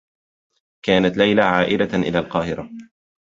كانت ليلى عائدة إلى القاهرة.